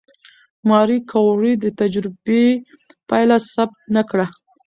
ماري کوري د تجربې پایله ثبت نه کړه؟